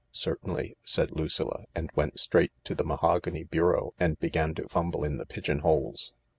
14 Certainly," said Lucilla, and went straight to the mahog any bureau and began to fumble in the pigeon holes.